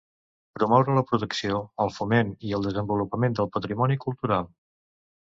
Promoure la protecció, el foment i el desenvolupament del patrimoni cultural.